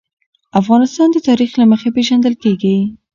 افغانستان د تاریخ له مخې پېژندل کېږي.